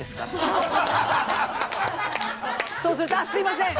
そうすると「あっすいません。